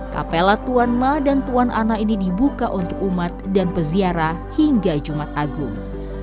kapela tuan ma dan tuan ana ini dibuka untuk umat dan peziarah hingga jumat agung